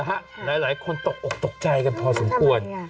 เอาละหะหลายคนตกตกใจกันพอสมควร